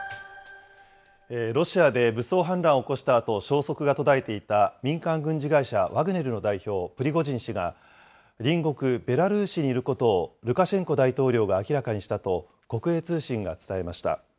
ロシアで武装反乱を起こしたあと、消息が途絶えていた、民間軍事会社、ワグネルの代表、プリゴジン氏が、隣国ベラルーシにいることを、ルカシェンコ大統領が明らかにしたと、国営通信が伝えました。